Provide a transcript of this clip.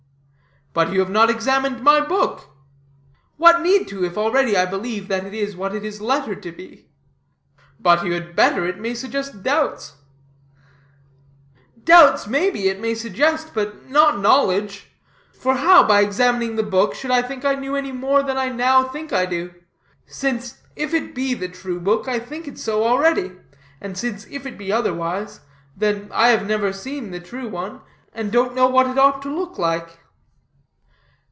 "But you have not examined my book." "What need to, if already I believe that it is what it is lettered to be?" "But you had better. It might suggest doubts." "Doubts, may be, it might suggest, but not knowledge; for how, by examining the book, should I think I knew any more than I now think I do; since, if it be the true book, I think it so already; and since if it be otherwise, then I have never seen the true one, and don't know what that ought to look like."